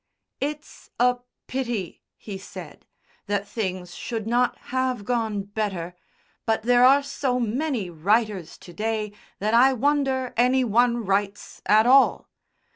"It's a pity," he said, "that things should not have gone better; but there are so many writers to day that I wonder any one writes at all.